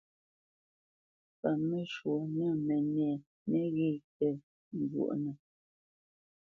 Paməshwɔ̌ nə́ mənɛ̂ nə́ghé tə́ njúʼnə́.